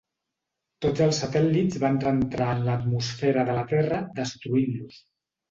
Tots els satèl·lits van reentrar en l'atmosfera de la terra, destruint-los.